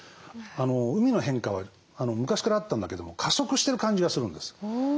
海の変化は昔からあったんだけども加速してる感じがするんです。